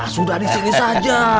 sudah disini saja